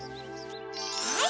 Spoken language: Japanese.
はい。